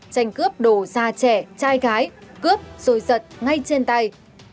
tranh cướp đồ già trẻ trai gái cướp rồi giật ngay trên tay